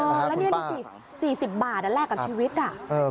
แล้วนี่๔๐บาทแรกกับชีวิต